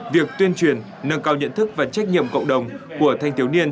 việc tuyên truyền nâng cao nhận thức và trách nhiệm cộng đồng của thanh thiếu niên